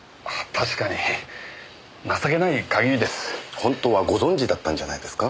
本当はご存じだったんじゃないですか？